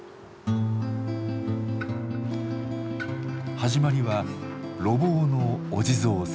始まりは路傍のお地蔵様。